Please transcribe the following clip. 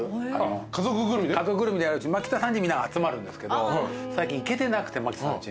家族ぐるみでやるしマキタさんちみんな集まるんですけど最近行けてなくてマキタさんちに。